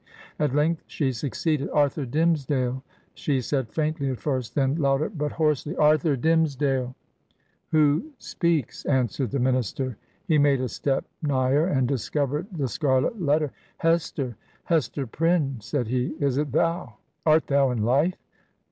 At length, she succeeded. 'Arthur Dimmesdale T she said, faintly at first; then louder, but hoarsely, 'Arthur Dimmesdale I' 'Who speaks?' answered the minister. ... He made a step nigher, and discovered the scarlet letter. ' Hester I Hes ter PrjomeT said he. 'Is it thou? Art thou in life?'